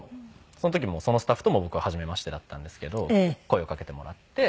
その時そのスタッフとも僕初めましてだったんですけど声をかけてもらって。